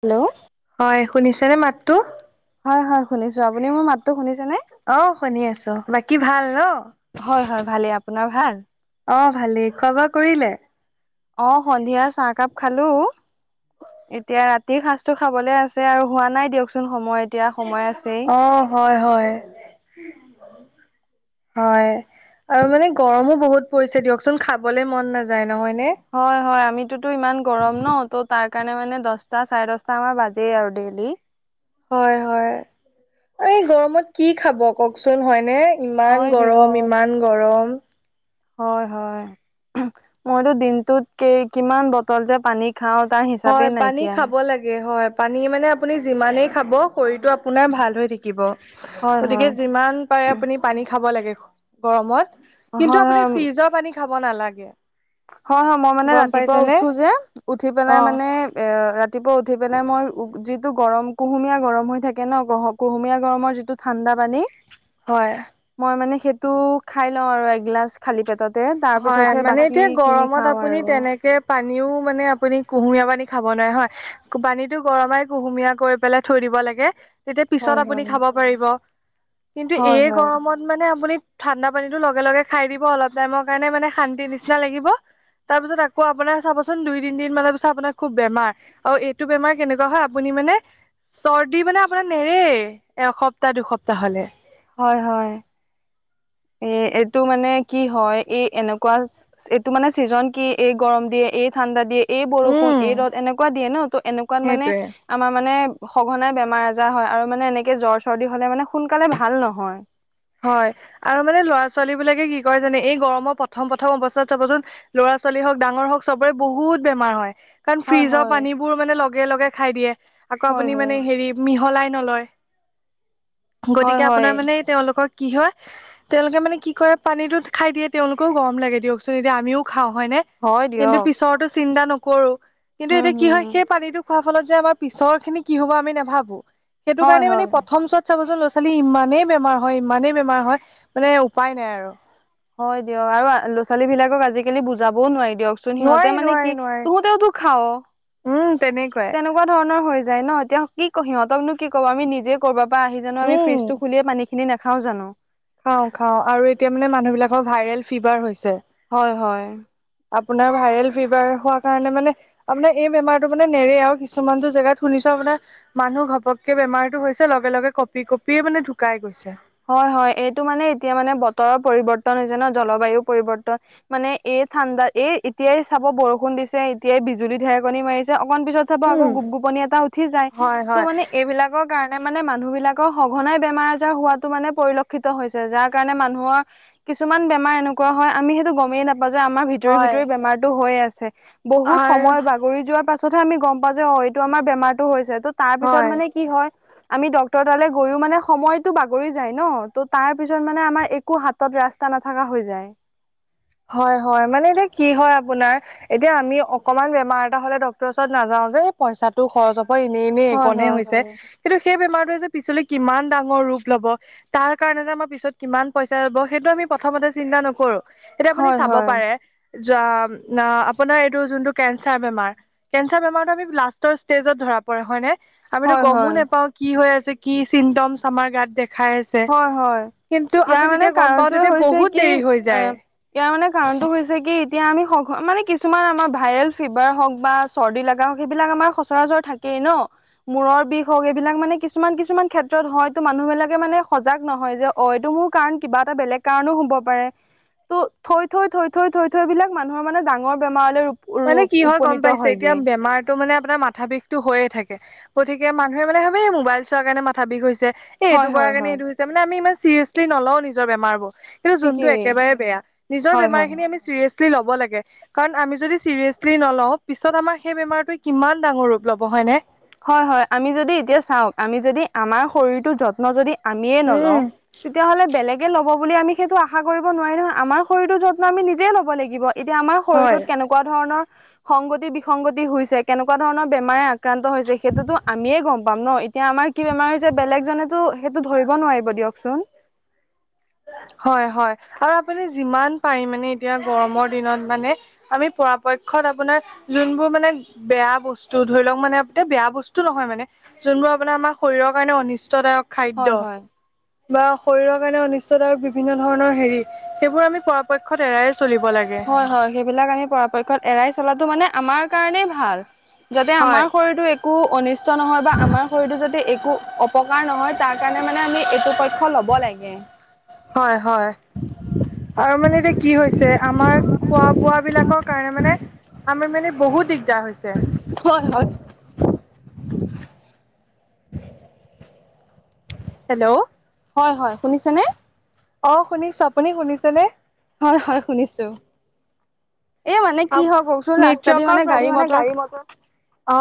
Hello হয় শুনিছানে মাতটো? হয় হয় শুনিছো আপুনি মোৰ মাতটো শুনিছেনে? অ' শুনি আছো বাকী ভাল ন? হয় হয় ভালেই আপোনাৰ ভাল? অ' ভালেই খোৱা বোৱা কৰিলে? অঁ! সন্ধিয়া চাহ কাপ খালো। [inaudible] এতিয়া ৰাতিৰ সাঁজটো খাবলে আছে আৰু হোৱা নাই দিয়কচোন সময়। [inaudible] আছেই। অ! হয়-হয়। [inaudible] হয়। আৰু মানে গৰমো বহুত পৰিছে দিয়কচোন খাবলে মন নাযায় নহয় নে? [inaudible] হয়-হয়। আমিতোতো ইমান গৰম ন ত' তাক [inaudible] সেইকাৰণে মানে দহটা চাৰে দহটা আমাৰ বাজেই আৰু ডেইলি। [inaudible] হয়-হয়। আৰু এই গৰমত কি খাব কওক‌ চোন হয়নে? [inaudible] ইমান হয় গৰম, ইমান গৰম। [inaudible] হয়-হয়। মইতো দিনটোত কিমান বটল যে পানী [inaudible] খাওঁ তাৰ হি [inaudible] হয়। পানী খাব লাগে হয়। [inaudible] পানী মানে আপুনি যিমানেই খাব শৰীৰটো আপোনাৰ ভাল হৈ থাকিব। হয় হয় গতিকে যিমান [inaudible] পাৰে আপুনি পানী খাব লাগে গৰমত কিন্তু হয় আপুনি ফ্ৰিজৰ পানী খাব নালাগে। [inaudible] হয়-হয়। মই মানে গম ৰাতিপুৱা পাইছেনে উঠো যে উঠি অ পেলাই মানে [inaudible] এ ৰাতিপুৱা উঠি পেলাই মই যিটো গৰম কুহুমীয়া গৰম হৈ থাকে ন'। কুহুমীয়া গৰমৰ যিটো [inaudible] ঠাণ্ডা পানী। [inaudible] হয়। [inaudible] মই মানে সেইটো খাই লওঁ আৰু এগিলাচ খালি পেটতে তাৰ হয় পিছতহে বা মানে [inaudible] এতিয়া গৰমত আপুনি তেনেকে পানীও মানে আপুনি কুহুমীয়া পানী খাব নোৱাৰে হয়। [inaudible] পানীটো গৰমে কুহুমীয়া কৰি পেলাই থৈ দিব লাগে। [inaudible] তেতিয়া পিছত হয় আপুনি হয় খাব পাৰিব। কিন্তু হয় এই হয় গৰমত [inaudible] মানে আপুনি ঠাণ্ডা পানীটো লগে-লগে খাই দিব অলপ টাইমৰ কাৰণে মানে শান্তি নিচিনা লাগিব। [inaudible] তাৰপিছত আকৌ আপোনাৰ চাব চোন দুই-তিনিদিন মান পিছত আপোনাৰ খুব বেমাৰ। [inaudible] আৰু এইটো বেমাৰ কেনেকুৱা হয় আপুনি মানে [inaudible] চৰ্দি মানে আপোনাৰ নেৰেই এসপ্তাহ-দুসপ্তাহ হ'লে। [inaudible] হয়-হয়। [inaudible] এ এইটো মানে কি হয় এই এনেকুৱা [inaudible] এইটো মানে চিজন কি এই গৰম দিয়ে এই ঠাণ্ডা দিয়ে [inaudible] এই বৰষুণ, উম এই ৰ'দ এনেকুৱা দিয়ে ন। ত' এনেকুৱাত মানে সেইটোৱে [inaudible] আমাৰ মানে সঘনাই বেমাৰ আজাৰ হয় আৰু মানে এনেকে জ্বৰ, চৰ্দি হ'লে মানে সোনকালে ভাল নহয়। [inaudible] হয়। আৰু মানে ল'ৰা-ছোৱালীবিলাকে কি কয় জানে এই গৰমৰ প্ৰথম-প্ৰথম অৱস্থাত চাব চোন [inaudible] লৰা-ছোৱালী হওক, ডাঙৰ হওক চবৰে বহুত বেমাৰ হয়। [inaudible] কাৰণ হয় ফ্ৰীজৰ হয় পানীবোৰ মানে লগে-লগে খাই দিয়ে। আকৌ হয় আপুনি হয় মানে হেৰি [inaudible] মিহলাই নলয়। হয় গতিকে হয় আপোনাৰ মানে তেওঁলোকৰ কি হয় [inaudible] তেওঁলোকে মানে কি কৰে পানীটো খাই দিয়ে। তেওঁলোকেও গৰম লাগে দিয়ক চোন এতিয়া আমিও খাওঁ হয় নে? হয় [inaudible] কিন্তু দিয়ক পিছৰতো চিন্তা নকৰোঁ। [inaudible] কিন্তু উম এতিয়া কি হয় হম সেই পানীটো খোৱাৰ ফলত যে আমাৰ পিছৰখিনি কি হ'ব আমি নাভাবোঁ। [inaudible] সেইটো হয় কাৰণে হয় মানে প্ৰথম চত চাব চোন ল'ৰা-ছোৱালীৰ ইমানেই বেমাৰ হয় ই [inaudible] ইমানেই বেমাৰ হয় মানে উপায় নাই আৰু। [inaudible] হয় দিয়ক আৰু ল'ৰা-ছোৱালীবিলাকক আজিকালি বুজাবও নোৱাৰি দিয়ক [inaudible] [inaudible] নোৱাৰি সিহঁতে মানে নোৱাৰি কি নোৱাৰি তহঁতেও তো খাৱ। [inaudible] উম! তেনেকুৱাই। [inaudible] তেনেকুৱা ধৰণৰ হৈ যায় ন, এতিয়া কি সিহঁতকনো কি ক'ব আমি নিজে [inaudible] ক'ৰবাৰ পৰা আহি জানো আমি উম। ফ্ৰিজটো খুলিয়ে পানীখিনি নাখাওঁ জানো? [inaudible] খাওঁ-খাওঁ আৰু এতিয়া মানে মানুহবিলাকৰ ভাইৰেল ফিভাৰ হৈছে। [inaudible] হয় হয়। আপোনাৰ ভাইৰেল ফিভাৰ হোৱাৰ কাৰণে মানে আপোনাৰ এই বেমাৰটো মানে নেৰে আৰু কিছুমানটো জেগাত শুনিছো আপোনাৰ মানুহ ঘপককে বেমাৰতো হৈছে লগে লগে কঁপি কঁপিয়ে মানে ঢুকাই গৈছে। হয় হয়, এইটো মানে এতিয়া মানে বতৰৰ পৰিৱৰ্তন হৈছে ন জলবায়ু পৰিৱৰ্তন। মানে এই ঠাণ্ডা এ, এতিয়াই চাব বৰষুণ দিছে এতিয়াই বিজুলী ধেৰেকনী মাৰিছে, অকমান পিছত তাপা আকৌ উম। গোপ গোপনি এটা উঠি যায়, হয় ত' হয় মানে এইবিলাকক কাৰণে মানে মানুহ বিলাকৰ সঘনাই বেমাৰ আজাৰ হোৱাত মানে পৰিলক্ষিত হৈছে যাৰ কাৰণে মানুহৰ কিছুমান বেমাৰ এনেকুৱা হয় আমি সেইটো গমেই নাপ পাওঁ যে আমাৰ ভিতৰি হয় ভিতৰি বেমাৰতো হৈয়ে আছে। বহুত আৰু সময় বাগ গৰি যোৱাৰ পাছতহে আমি গম পাওঁ যে অ', এইটো আমাৰ বেমাৰতো হৈছে ত' তাৰ পিছত হয় মানে কি হয় আমি ডক্টৰ তালৈ গৈও মানে সময়তো বা গৰি যায় ন, ত' তাৰ পিছত মানে আমাৰ একো হাতত ৰাস্তা নাথাকা হৈ যায়। হয় হয়, মানে এতিয়া কি হয় আপোনাৰ এতিয়া আমি অকনমান বেমাৰ এটা হ'লে ডক্টৰৰ ওচৰত নাযাও যে এই পইচা টো খৰচ হ ব এনেই এনেই হয় এইকণহে হয় হৈছে, হয়। কিন্তু সেই বেমাৰটোৱে যে পিছলৈ কিমান ডাঙৰ ৰূপ লব তাৰ কাৰণে যে আমাৰ পিছত কিমান পইচা যাব সেইটো আমি প্ৰথমতে চিন্তা নকৰোঁ। এতিয়া আপুনি হয় চাব হয় পাৰে আপোনাৰ যো-না-এইটো যোনটো কেঞ্চাৰ বেমাৰ কেন্সাৰ বেমাৰটো আমি লাষ্টৰ ষ্টেজত ধৰা পৰে হয় নে? আমিতো হয় গমো হয় নেপাও কি হৈ আছে কি চিমটমচ আমাৰ গাত দেখাই আছ হয় হয় কিন্তু ইয়াৰ আমি মানে যেতিয়া গম পাওঁ কাৰণটোৱে তেতিয়া হৈছে বহুত কি দেৰি হৈ এ যায়। ইয়াৰ মানে কাৰণো হৈছে কি এতিয়া আমি স মানে কিছুমান আমাৰ ভাইৰেল ফিভাৰ হওক বা চৰ্দি লগা হওক সেইবিলাক আমাৰ সচৰাচৰ থাকেই ন? মূৰৰ বিষ হওক এইবিলাক মানে কিছুমান কিছুমান ক্ষেত্ৰত হয়তো মানুহ বিলাকে মানে সজাগ নহয় যে অ', এইটো মোৰ কাৰণ কিবা এটা বেলেগ কাৰণো হ'ব পাৰে। ত' থৈ থৈ থৈ থৈ থৈ থৈ বিলাক মানুহৰ মানে ডাঙৰ বেমাৰলৈ ৰূপ মানে কি হয় গম উপনীত পাইছে এতিয়া হয়গে বেমাৰ টো মানে আপোনাৰ মাথা বিষটো হৈয়ে থাকে, গতিকে মানুহে মানে ভাৱে এই মোবাইল চোৱাৰ কাৰণে মাথা বিষ হৈছে। এই এইটো হয় কৰাৰ হয় কাৰণে হয় এইটো হৈছে মানে আমি ইমান চিৰিয়াচলি নলওঁ নিজৰ বেমাৰবোৰ। কিন্তু যোনটো ঠিকেই একেবাৰে বেয়া নিজৰ হয় হয় বেমাৰখিনি আমি চিৰিয়াচলি ল'ব লাগে। কাৰণ আমি যদি চি চিৰিয়াচলি নলওঁ, পিছত আমাৰ সেই বেমাৰটো কিমান ডাঙৰ ৰূপ ল'ব হয়নে? হয় হয়, আমি যদি এতিয়া চাওক আমি যদি আমাৰ শৰীৰটো যত্ন যদি আমিয়ে নলওঁ উম তেতিয়া হ'লে বেলেগ ল'ব বুলি আমি সেইটো আশা কৰিব নোৱাৰি নহয় আমাৰ শৰীৰটো যত্ন আমি নিজেই ল'ব লাগিব, এতিয়া আমাৰ হয় শৰীৰটোত কেনেকুৱা ধৰণৰ সংগতি বিসংগতি হৈছে, কেনেকুৱা ধৰণৰ বেমাৰে আক্ৰান্ত হৈছ সেইটোতো আমিয়ে গম পাম ন এতিয়া আমাৰ কি বেমাৰ হৈছে বেলেগজনেতো সেইটো ধৰিব নোৱাৰিব দিয়কচোন। হয় হয় আৰু, আপুনি যিমান পাৰি মানে এতিয়া গৰমৰ দিনত মানে আমি পৰাপক্ষত আপোনাৰ যোনবোৰ মানে বেয়া বস্তু ধৰি লওক মানে বেয়া বস্তু নহয় মানে যোনবোৰ আপোনাৰ আমাৰ শৰীৰৰ কাৰণে অনিষ্টদায়ক। খাদ্য হয় হয়। বা শৰীৰৰ কাৰণে অনিষ্টদায়ক বিভিন্ন ধৰণৰ হেৰি, সেইবোৰ আমি পৰাপক্ষত এৰাইয়ে চলিব লাগে। হয় হয়, সেইবিলাক আমি পৰাপক্ষত এৰাই চলাটো মানে আমাৰ কাৰণেই ভাল। যাতে হয় আমাৰ শৰীৰটো এক একো অনিষ্ট নহয় বা আমাৰ শৰীৰটো যদি একো অপকাৰ নহয় তাৰ কাৰণে মানে আমি এইটো পক্ খ ল'ব লাগে। হয় হয় আৰু মানে এতিয়া কি হৈছে আমাৰ খোৱা বোৱা বিলাক। কাৰণে মানে আমি মানে বহুত দিগদাৰ হৈছে। হয় হয়। হেল্ল', হয় হয় শুনিছানে। অ শুনিছো আপুনি শুনিছেনে। হয় হয় শুনিছো। এই মানে কি হয় কওকচোন ৰাস্তা দি নেটৱৰ্কৰ মানে গাড়ী মটৰ প্ৰব্লেম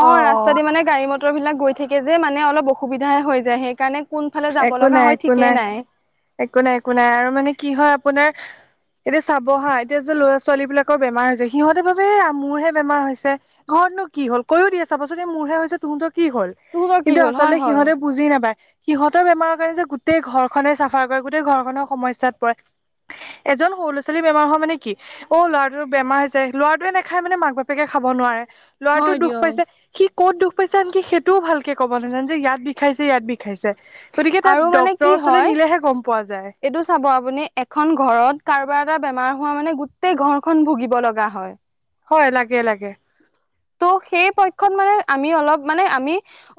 অ ৰাস্তা দি মানে গাড়ী মটৰ, সেই বিলাক গৈ থাকে যে মানে অলপ অসুবিধাই হৈ যায় সেইকাৰণে কোন ফালে যাব একো লগা নাই হয় একো ঠিকেই নাই। একো নাই একো নাই আৰু মানে কি হয় আপোনাৰ, এতিয়া চাবহা এতিয়া যে ল'ৰা ছোৱালী বিলাকৰ বেমাৰ হৈছে সিহঁতেৰ ভাৱে মোৰহে বেমাৰ হৈছে, ঘৰতনো কি হ'ল কয়ও দিয়ে চাবাচোন এই মোৰহে হৈছে তহঁতৰ কি হ'ল। তোহঁতৰ কি কিন্তু হ'ল হয় আচলতে হয়। সিহঁতে বুজি নাপায়। সিহঁতৰ বেমাৰৰ কাৰণে যে গোটেই ঘৰখনে চাফাৰ কৰে গোটেই ঘৰখনেও সমস্যাত পৰে। এজন সৰু ল'ৰা ছোৱালী বেমাৰ হোৱা মানে কি। অ ল'ৰাটো বেমাৰ যায় ল'ৰাটোৱে নাখায় মানে মাক বাপেকে খাব নোৱাৰে। ল'ৰাটো হয় দুখ দিয়ক। পাইছে সি ক'ত দুখ পাইছে আনকি সেইটোও ভালকে ক'ব নাজানে যে ইয়াত বিষাইছে ইয়াত বিষ খাইছে গতিকে আৰু তাক মানে ডক্তৰ কি ওচৰলে হয় নিলেহে গম পোৱা যায়। এইটো চাব আপুনি এখন ঘৰত কাৰোবাৰ এটা বেমাৰ হোৱা মানে গোটেই ঘৰখন ভুগিব লগা হয়। হয় লাগে লাগে। ত সেই পক্ষত মানে আমি অলপ মানে আমি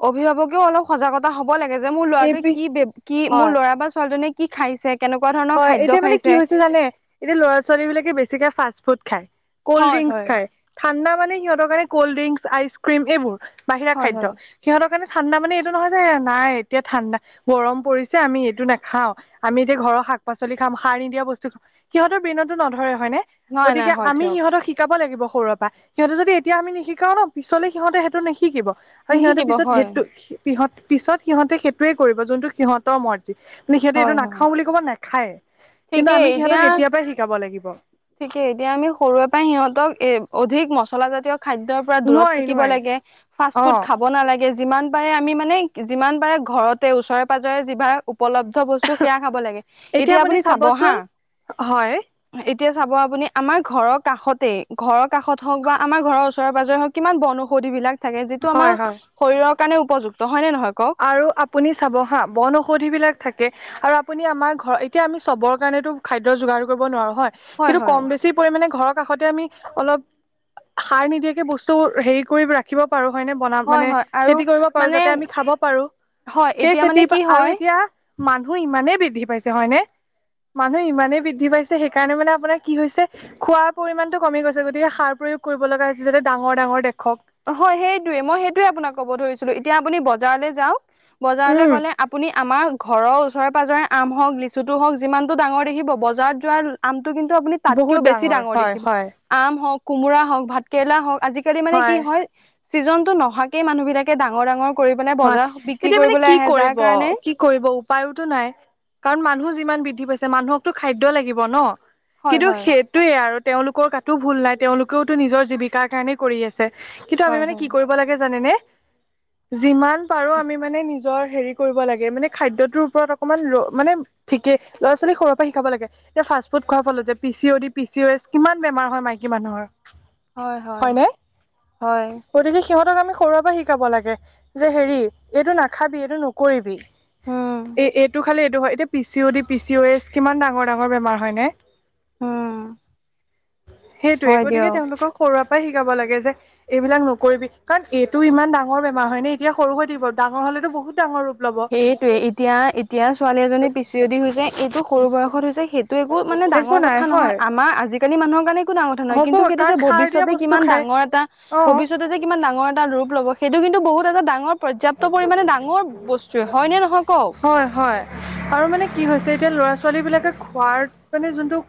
অভিভাৱকেও অলপ সজাগতা হ'ব লাগে যে মোৰ এই ল'ৰাটোৱে বি কি কি মোৰ হয় ল'ৰা বা ছোৱালীজনীয়ে কি খাইছে, কেনেকুৱা ধৰণৰ হয় খাদ্য এতিয়া মানে কি খাইছে হৈছে জানে এতিয়া ল'ৰা ছোৱালী বিলাকে বেছিকে ফাষ্ট ফুড খায়। কল্ড হয় ড্ৰিংকস হয় খায়। ঠাণ্ডা মানে সিহতৰ কাৰণে কল্ড ড্ৰিংকচ আইচ ক্ৰীম এইবোৰ বাহিৰা হয় খাদ্য। হয় সিহঁতৰ কাৰণে ঠাণ্ডা মানে এইটো নহয় যে নাই এতিয়া ঠাণ্ডা গৰম পৰিছে আমি এইটো নাখাও, আমি এতিয়া ঘৰ শাক শাক পাচলি খাম সাৰ নিদিয়া বস্তু খাম সিহতৰ ব্ৰেইনতো নধৰে হয় নে নাই নাই গতিকে হয় আমি দিয়ক সিহঁত শ শিকাব লাগিব সৰুৰে পৰা সিহঁতে যদি এতিয়া আমি নিশিকাও ন পিছলে সিহঁতে সেইটো নিশিকিব। আৰু সিহঁতে নিশিকিব পিছত হয় সেইটো সিহত পিছত সিহঁতে সেইটোৱে কৰিব যোনটো সিহঁতৰ মৰজি, সিহঁতে এইটো হয় হয় নাখাওঁ বুলি ক'ব নাখায়ে। ঠিকেই এতিয়া, তই শিকাব লাগিব। ঠিকে এতিয়া আমি সৰুৰে পৰাই সিহঁতক এ অধিক মছলাজাতীয় খাদ্য। দূৰত নোৱাৰি থাকিব নোৱাৰি নালাগে ফাষ্ট ফুড অ', খাব নালাগে। যিমান পাৰে আমি মানে যিমান পাৰে ঘৰতে ওচৰে পাজৰে যিবাক উপলব্ধ বস্তু চ সেয়া খাব লাগে এতিয়া আপুনি চাব হা। হয়, তেতিয়া চাব আপুনি আমাৰ ঘৰৰ কাষতে ঘৰ কাষত হওক বা আমাৰ ঘৰৰ ওচৰে পাজৰে হওক কিমান বনৌঔষধি বিলাক, থাকে যিটো আমাৰ হয় হয় শৰীৰৰ কাৰণে উপযুক্ত হয় নে নহয় কওক। আৰু আপুনি চাব হা বন ঔষধিবিলাক থাকে। আৰু আপুনি আমাৰ ঘৰ এতিয়া আমি চবৰ কাৰণটো খাদ্য যোগাৰ কৰিব নোৱাৰো হয়। কিন্তু কম বেছি পৰিমামানে ঘৰ কাষতে আমি, অলপ সাৰ নিদিয়াকে বস্তু হেৰি কৰিব ৰাখি ৰাখিব পাৰো হয়নে বনাম হয় মানে হয় আৰু খেতি কৰিব পাৰো মানে যাতে আমি খাব পাৰো, হয় সেই এতিয়া মানে খেতি কি আৰু হয় এতিয়া মানুহ ইমানেই বৃদ্ধি পাইছে হয়নে মানুহ ইমানেই বৃদ্ধি পাইছে সেইকাৰণে মানে আপোনাৰ কি হৈছে খোৱাৰ পৰিমাণটো কমি গৈছে গতিকে সাৰ প্ৰয়োগ কৰিব লগা হৈছে যাতে ডাঙৰ ডাঙৰ দেখক। হয় সেইটোয়ে মই সেইটোয়ে আপোনাক ক'ব ধৰিছিলো, এতিয়া আপুনি বজাৰলৈ যাওক বজাৰলৈ উম, গ'লে আপুনি আমাৰ ঘৰৰ ওচৰে পাজৰে আম হওক লিচুটো হওক যিমানটো ডাঙৰ দেখিব বজাৰত যোৱাৰ আমটো কিন্তু আপুনি তাতকেও বহুত বেছি ডাঙৰ হয় দেখিব, হয় আম হওক কোমোৰা হওক ভাত কেৰেলা হওক আজিকালি মানে হয় চিজনটো নহাকে মানুহ বিলাকে ডাঙৰ ডাঙৰ কৰি পিনে হয় বজাৰ বিক্ৰী এতিয়া মানে কি কৰিবলৈ আহে কৰিব যাৰ কাৰণে কি কৰিব উপায়োতো নাই কাৰণ, মানুহ যিমান বৃদ্ধি পাইছে মানুহকতো খাদ্য লাগিব ন। হয় কিন্তু হয় সেইটোৱে আৰু তেওঁলোকৰ গাতো ভুল নাই তেওঁলোকেওতো নিজৰ জীৱিকাৰ কাৰণে কৰি আ ছে কিন্তু আমি হয় মানে কি হয় কৰিব লাগে জানেনে যিমান পাৰো আমি মানে নি জৰ হেৰি কৰিব লাগে মানে খাদ্য তোৰ ওপৰত অকণমান ৰ মানে ঠিকে ল'ৰা ছোৱালী সৰুৰে পৰা শিকাব লাগে। এতিয়া ফাষ্টফুড খোৱাৰ ফলত যে P C O D, P C O S কিমান বেমাৰ হয় মাইকী মানুহৰ। হয় হয়, হয়নে হয়। গতিকে সিহঁতক আমি সৰুৰে পৰা শিকাব লাগে যে হেৰি, এইটো নাখাবি এইটো নকৰিবি। উম এই এইটো খালি এইটো হয় এতিয়া P C O D, P C O S কিমান ডাঙৰ ডাঙৰ বেমাৰ হয় নে? উম। সেইটোয়ে হয় গতিকে দিয়ক তেওঁলোকক সৰুৰে পৰাই শিকাব লাগে যে এইবিলাক নকৰিবি কাৰণ, এইটো ইমান ডাঙৰ বেমাৰ হয় নে এতিয়া সৰু হৈ থাকিব ডাঙৰ হলেতো বহুত ডাঙৰ হ'ব। সেইটোৱে এতিয়া এতিয়া ছোৱালী এজনী পি চি অ দি হৈছে এইটো সৰু বয়সত হৈছে সেই টো একো মানে একো ডাঙৰ নাই কথা নহয় হয় আমাৰ আজিকালি মানুহৰ কাৰণে একো ডাঙৰ কথা নহয় হ'ব কিন্তু সেইটো কাৰণ যে সাৰ দিয়া ভৱিষ্যতে বস্তু কিমান খায় ডাঙৰ এটা অ', ভৱিষ্যতে যে কিমান ডাঙৰ এটা ৰূপ ল'ব সেইটো কিন্তু বহুত এটা ডাঙৰ পৰ্যাপ্ত পৰিমাণে ডাঙৰ বস্তুৱে হয় নে নহয় কওক হয় হয়। আৰু মানে কি হৈছে এতিয়া ল'ৰা ছোৱালী বিলাকে খোৱাৰ মানে যোনটো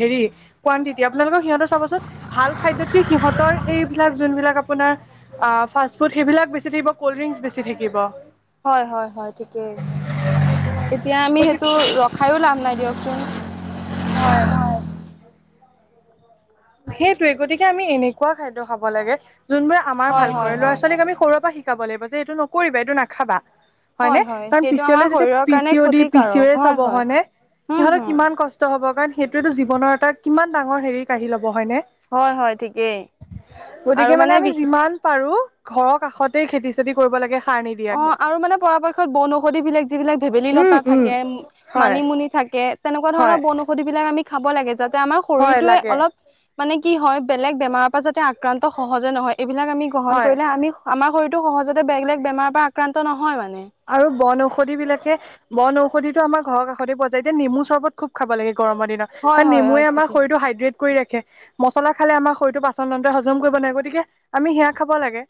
হেৰি কুৱানটিটি আপোনালোকৰ সিহঁতৰ চাবচোন ভাল খাদ্যতকে সিহঁতৰ এইবিলাক যোনবিলাক আপোনাৰ আ ফাষ্ট ফুড সেইবিলাক বেছি থাকিব, কল্ড ড্ৰিংকছ বেছি থাকিব। হয় হয় হয় ঠিকেই, এতিয়া আমি সেইটো গতিকে ৰখাইও লাভ নাই দিয়কচোন। হয়। সেইটোয়ে গতিকে আমি এনেকুৱা খাদ্য খাব লাগে যোনবোৰে আমাৰ হয় ভাল হয় কৰে ল'ৰা হয় হয় ছোৱালীক আমি সৰুৰে পৰা শি কাব লাগিব যে এইটো নকৰিবা এইটো নাখাবা। হয় হয়নে হয় কাৰণ সেইটো পিচলে আমাৰ যাতে শৰীৰৰ পি কাৰণে C O D, P C O ক্ষতিকাৰক এছ হয় হ'ব হয় হয়নে উম সিহঁতে হম কিমান ক ষ্ট হ'ব কাৰণ সেইটোৱেতো জীৱনৰ এটা কিমান ডাঙৰ হেৰি কাঢ়ি ল'ব হয়নে? হয় হয় ঠিকেই আৰু গতিকে মানে আমি বিশেষ যিমান পাৰো ঘৰৰ কাষতে খেতি চেতি কৰিব লাগে। সাৰ নিদিয়াকে অঁ আৰু মানে পৰাপক্ষত বনৌষধি বিলাক যিবিলাক ভেবেলী উম লতা উম থাকে হয় মানিমুনি থাকে। তেনেকুৱা ধৰণৰ হয় বন ঔষধি বিলাক আমি খাব লাগে, যাতে আমাৰ হয় শৰীৰটোৱে লাগে অলপ মানে কি হয় বেলেগ বেমাৰৰ পৰা যাতে আক্ৰান্ত সহজে নহয় এইবিলাক আমি গ্ৰহণ হয় কৰিলে আমি আমাৰ শৰীৰতো সহজতে বেগ বেলেগ বেমাৰৰ পৰা আক্ৰান্ত নহয় মানে। আৰু বনঔষধি বিলাকে বনঔষধি ত' আমাৰ ঘৰৰ কষতে পোৱা যায়, এতিয়া নেমু চৰ্বত খুব খাব লাগে গৰমৰ দিনত। হয় কাৰণ হয় হয় নেমুৱে আমাৰ ঠিকেই শৰীৰটো হাইড্ৰেট কৰি ৰাখে। মছলা খালে আমাৰ শৰীৰটোৰ পাচনতন্ত্ৰই হজম কৰিব নোৱাৰে গতিকে, আমি সেয়া খাব লাগে।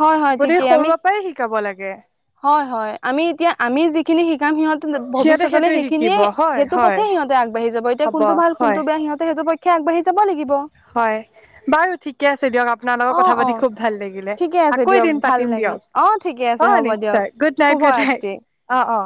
হয় হয় গতিকে ঠিকেই আমি সৰুৰে পৰাই শিকাব লাগে। হয় হয়, আমি এতিয়া আমি যিখিনি শিকাম সিহঁত- সিহঁতে ভৱিষ্যতলে সেইটোৱে শিকিব সেইখিনিয়ে হয় সেইটো হয় পথে সিহতে আগবাঢ়ি যাব এতিয়া হ'ব কোনটো ভাল হয় কোনটো বেয়া সিহঁতে সেইটো পক্ষ- ক্ষে আগবাঢ়ি যাব লাগিব। হয়, বাৰু ঠিক- ঠিকে আছে দিয়ক আপোনাৰ লগত অ', কথা অ'। পাতি খুব ভাল লাগিলে ঠিকে আছে আকৌ দিয়ক এদিন ভাল পাতিম লাগিল অ ঠিকে দিয়ক। আছে অ হ'ব দিয়ক নিশ্চয়' গুড নাইট গুড নাইট শুভৰাত্ৰি অঁ অঁ।